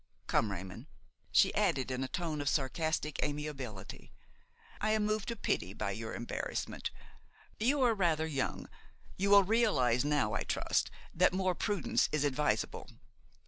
Come, Raymon," she added in a tone of sarcastic amiability, "I am moved to pity by your embarrassment. You are rather young; you will realize now, I trust, that more prudence is advisable.